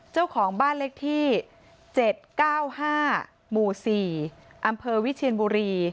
เจ้าของบ้านเลขที่เจ็ดเก้าห้าหมู่สี่อำเภอวิเชียนบุรี